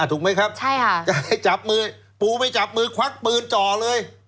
ถูกไหมครับใช่ค่ะจะได้จับมือปูไม่จับมือควักปืนจ่อเลย